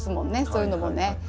そういうのもね。